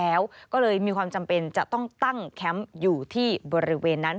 แล้วก็เลยมีความจำเป็นจะต้องตั้งแคมป์อยู่ที่บริเวณนั้น